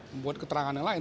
membuat keterangan yang lain